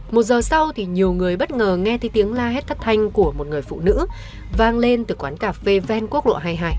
một giờ sau thì nhiều người bất ngờ nghe thấy tiếng la hét thất thanh của một người phụ nữ vang lên từ quán cà phê ven quốc lộ hai mươi hai